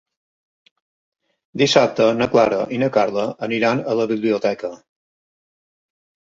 Dissabte na Clara i na Carla aniran a la biblioteca.